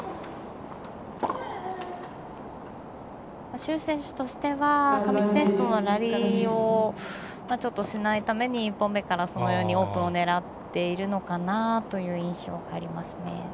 朱選手としては上地選手とはラリーをちょっとしないために１本目からそのようにオープンを狙っているのかなという印象がありますね。